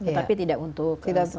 tetapi tidak untuk semua